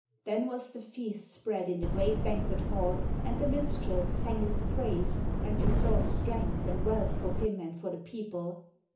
Then was the feast spread in the great banquet hall, and the minstrels sang his praise, and besought strength and wealth for him and for the people.